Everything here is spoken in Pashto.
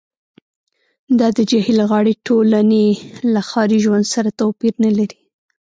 دا د جهیل غاړې ټولنې له ښاري ژوند سره توپیر نلري